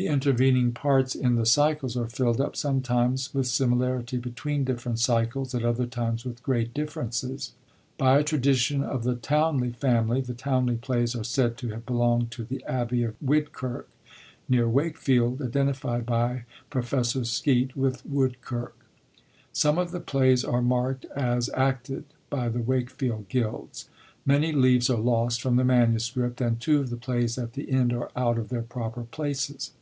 The intervening parts in the cycles are fiUd up, sometimes with similarity between different cycles, at other times with great differences. By a tradition of the Towneley family, the Towneley Plays ^ are said to have belongd to the Abbey of Widkirk, near Wakefield, identified by Prof. Skeat with Woodkirk. Some of the plays are markt as acted by the Wakefield gilds. Many leaves are lost from the MS., and two of the plays at the end are out of their proper places.